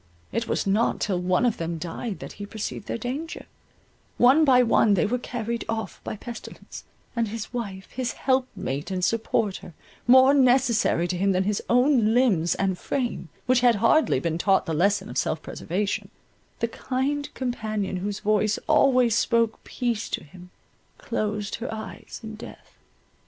It was not till one of them died that he perceived their danger; one by one they were carried off by pestilence; and his wife, his helpmate and supporter, more necessary to him than his own limbs and frame, which had hardly been taught the lesson of self preservation, the kind companion whose voice always spoke peace to him, closed her eyes in death.